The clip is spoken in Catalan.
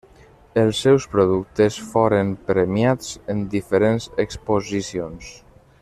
Els seus productes foren premiats en diferents exposicions.